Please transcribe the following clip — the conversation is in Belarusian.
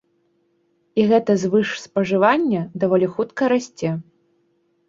І гэта звышспажыванне даволі хутка расце.